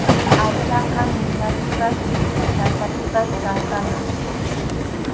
Aychaqa ninapipas sansapipas kankanam.